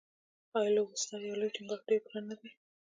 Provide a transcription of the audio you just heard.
آیا لوبسټر یا لوی چنګاښ ډیر ګران نه دی؟